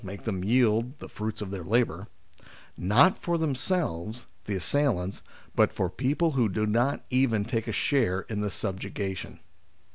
make them yield the fruits of their labour), not for themselves, the assailants, but for people who do not even take a share in the subjugation.